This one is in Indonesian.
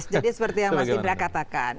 jadi seperti yang mas ibra katakan